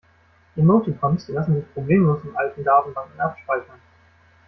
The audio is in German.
Emoticons lassen sich problemlos in alten Datenbanken abspeichern.